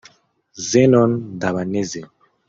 Zenon Ndabaneze